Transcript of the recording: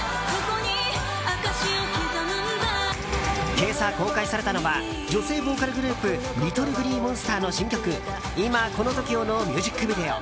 今朝、公開されたのは女性ボーカルグループＬｉｔｔｌｅＧｌｅｅＭｏｎｓｔｅｒの新曲「今この瞬間を」のミュージックビデオ。